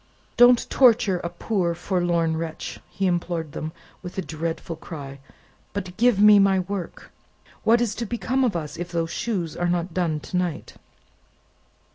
"Don't torture a poor forlorn wretch," he implored them, with a dreadful cry; "but give me my work! What is to become of us, if those shoes are not done to night?"